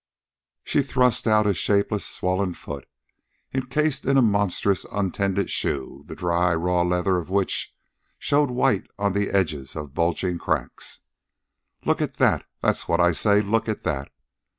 She thrust out a shapeless, swollen foot, encased in a monstrous, untended shoe, the dry, raw leather of which showed white on the edges of bulging cracks. "Look at that! That's what I say. Look at that!"